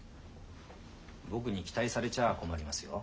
僕に期待されちゃあ困りますよ。